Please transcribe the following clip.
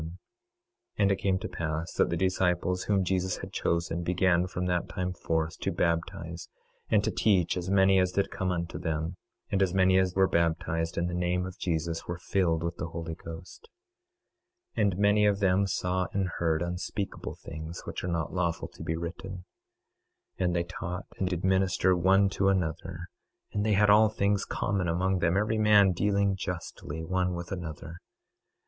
26:17 And it came to pass that the disciples whom Jesus had chosen began from that time forth to baptize and to teach as many as did come unto them; and as many as were baptized in the name of Jesus were filled with the Holy Ghost. 26:18 And many of them saw and heard unspeakable things, which are not lawful to be written. 26:19 And they taught, and did minister one to another; and they had all things common among them, every man dealing justly, one with another.